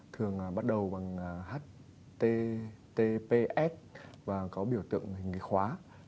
thường bắt đầu bằng https và có biểu tượng hình cái khóa